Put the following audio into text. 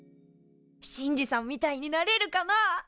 シンジさんみたいになれるかな？